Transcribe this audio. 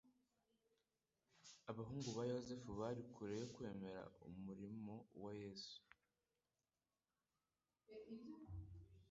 Abahungu ba Yosefu bari kure yo kwemera umurimo wa Yesu.